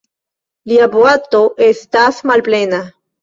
Lia boato estas malplena.